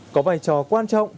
có vai trò quan trọng